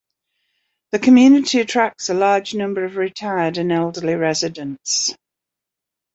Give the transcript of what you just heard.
The community attracts a large number of retired and elderly residents.